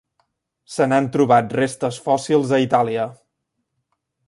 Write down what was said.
Se n'han trobat restes fòssils a Itàlia.